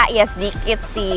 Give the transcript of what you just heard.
ya sedikit sih